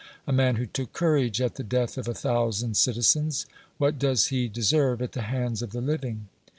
A man who took courage at the death of a thousand citizens — what does he de serve at the hands of the living?